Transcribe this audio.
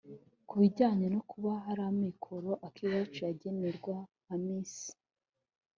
Kubijyanye no kuba hari amikoro Akiwacu yagenerwa nka Miss